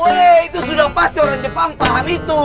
weh itu sudah pasti orang jepang paham itu